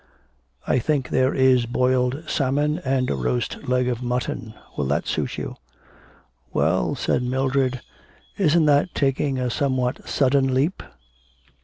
'I think there is boiled salmon and a roast leg of mutton. Will that suit you?' 'Well,' said Mildred, 'isn't that taking a somewhat sudden leap?'